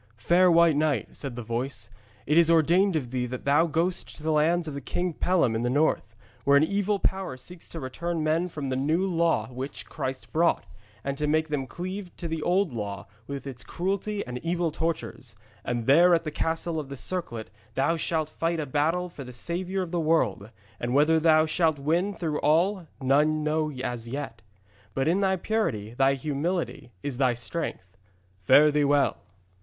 'Fair White Knight,' said the voice, 'it is ordained of thee that thou goest to the lands of the King Pellam in the north, where an evil power seeks to turn men from the New Law which Christ brought, and to make them cleave to the Old Law with its cruelty and evil tortures. And there at the Castle of the Circlet thou shalt fight a battle for the Saviour of the world. And whether thou shalt win through all, none know as yet. But in thy purity, thy humility, is thy strength. Fare thee well!'